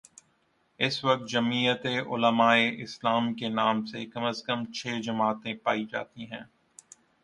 اس وقت جمعیت علمائے اسلام کے نام سے کم از کم چھ جماعتیں پائی جا تی ہیں۔